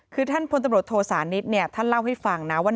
คือท่านพศโทษานิดเนี่ยท่านเล่าให้ฟังนะว่า